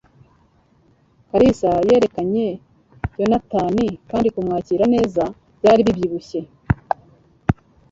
Kalisa yerekanye Yonatani kandi kumwakira neza byari bishyushye.